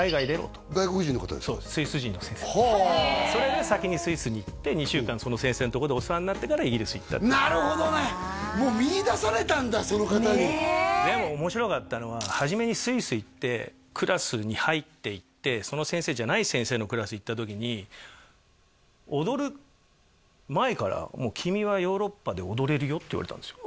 そうはあそれで先にスイスに行って２週間その先生のとこでお世話になってからイギリス行ったなるほどねもう見いだされたんだその方にでも面白かったのは初めにスイス行ってクラスに入っていってその先生じゃない先生のクラス行った時に踊る前から「君はヨーロッパで踊れるよ」って言われたんですよ